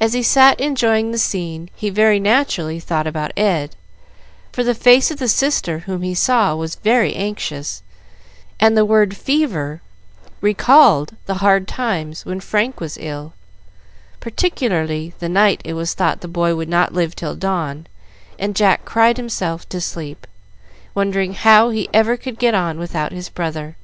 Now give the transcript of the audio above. As he sat enjoying the scene, he very naturally thought about Ed; for the face of the sister whom he saw was very anxious, and the word "fever" recalled the hard times when Frank was ill, particularly the night it was thought the boy would not live till dawn, and Jack cried himself to sleep, wondering how he ever could get on without his brother.